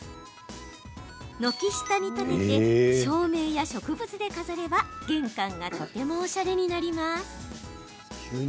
軒下に立てて照明や植物で飾れば玄関がとてもおしゃれになります。